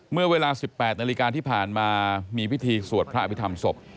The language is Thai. เมื่อเวลา๑๘นาฬิกาที่ผ่านมามีพิธีสวดพระอภิษฐรรมศพ